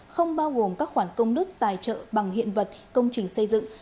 không bao gồm các khoản công đức tài trợ bằng hiện vật công trình xây dựng